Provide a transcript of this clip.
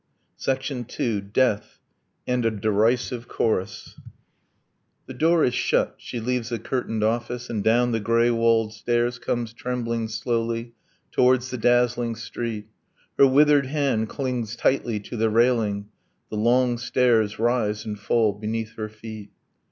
II. DEATH: AND A DERISIVE CHORUS The door is shut. She leaves the curtained office, And down the grey walled stairs comes trembling slowly Towards the dazzling street. Her withered hand clings tightly to the railing. The long stairs rise and fall beneath her feet.